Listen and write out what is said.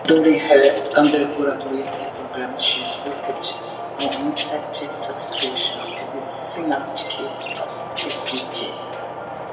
During her undergraduate program she worked on insect classification and synaptic plasticity.